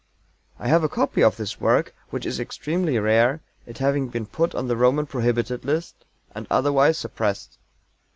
I have a copy of this work, which is extremely rare, it having been put on the Roman prohibited list, and otherwise suppressed.